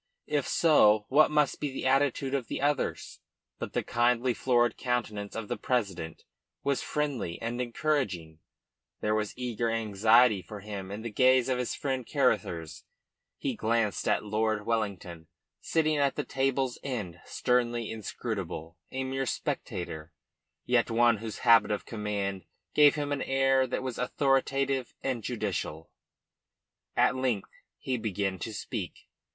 If so, what must be the attitude of the others? But the kindly, florid countenance of the president was friendly and encouraging; there was eager anxiety for him in the gaze of his friend Caruthers. He glanced at Lord Wellington sitting at the table's end sternly inscrutable, a mere spectator, yet one whose habit of command gave him an air that was authoritative and judicial. At length he began to speak.